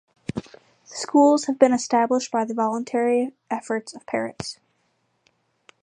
The schools have been established by the voluntary efforts of parents.